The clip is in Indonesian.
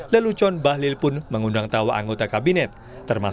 guyonan bahlil dengan minta doa ditambah